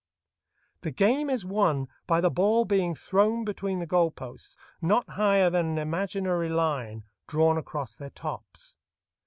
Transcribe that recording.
The game is won by the ball being thrown between the goal posts, not higher than an imaginary line drawn across their tops.